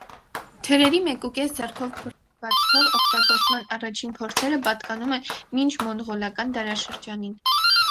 Թրերի «մեկուկես ձեռքով» բռնվածքով օգտագործման առաջին փորձերը պատկանում են մինչմոնղոլական դարաշրջանին։